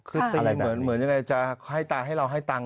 คือตีเหมือนยังไงจะให้ตาให้เราให้ตังค์